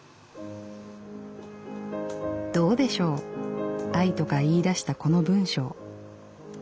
「どうでしょう『愛』とか言い出したこの文章。